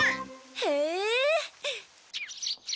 へえ！